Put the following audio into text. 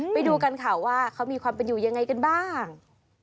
ไปดูกันค่ะว่าเขามีความเป็นอยู่ยังไงกันบ้าง